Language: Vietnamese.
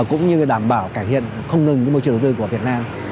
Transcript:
cũng như đảm bảo cải thiện không ngừng môi trường đầu tư của việt nam